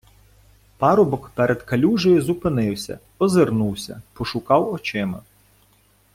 Парубок перед калюжею зупинився, озирнувся, пошукав очима.